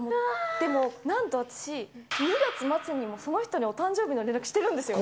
でも、なんと私、２月末にもその人にお誕生日の連絡してるんですよ。